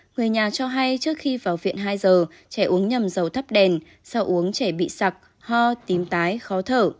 người nhà cho hay trước khi vào viện hai giờ trẻ uống nhầm dầu thấp đèn sau uống trẻ bị sạc ho tím tái khó thở